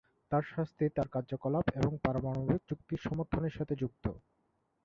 তার শাস্তি তার কার্যকলাপ এবং পারমাণবিক চুক্তির সমর্থনের সাথে যুক্ত।